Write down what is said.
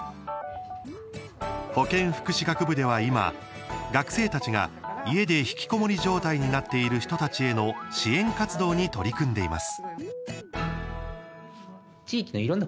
保健福祉学部では今学生たちが家でひきこもり状態になっている人たちへの支援活動に取り組んでいます。